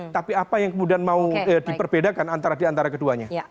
tapi apa yang kemudian mau diperbedakan antara keduanya